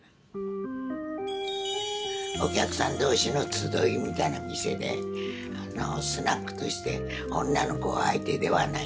お客さん同士の集いみたいな店でスナックとして女の子相手ではないんですよ。